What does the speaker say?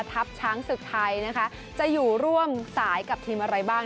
ทัพช้างศึกไทยนะคะจะอยู่ร่วมสายกับทีมอะไรบ้าง